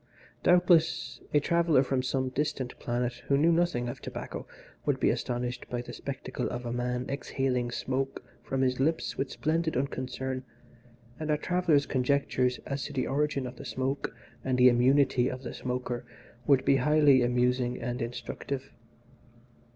Doubtless, a traveller from some distant planet, who knew nothing of tobacco, would be astonished at the spectacle of a man exhaling smoke from his lips with splendid unconcern, and our traveller's conjectures as to the origin of the smoke and the immunity of the smoker would be highly amusing and instructive.